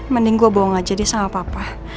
mending gue bohong aja dia sama papa